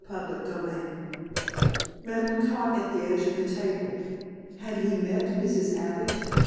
Sorry " XVII Madeline caught at the edge of the table. Had he met Mrs. Abbott?